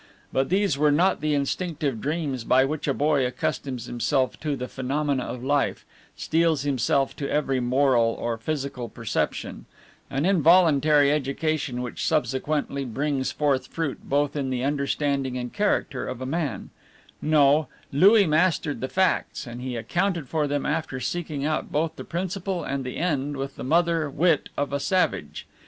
But these were not the instinctive dreams by which a boy accustoms himself to the phenomena of life, steels himself to every moral or physical perception an involuntary education which subsequently brings forth fruit both in the understanding and character of a man; no, Louis mastered the facts, and he accounted for them after seeking out both the principle and the end with the mother wit of a savage.